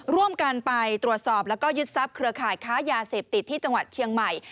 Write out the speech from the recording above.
ร่วมกันไปตรวจสอบแล้วก็ยึดทรัพย์เครือข่ายค้ายาเสพติดที่จังหวัดเชียงใหม่